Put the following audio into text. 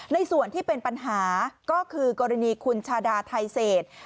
ส่วนที่เป็นปัญหาก็คือกรณีคุณชาดาไทเศษ